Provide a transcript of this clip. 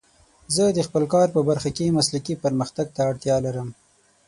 زه د خپل کار په برخه کې مسلکي پرمختګ ته اړتیا لرم.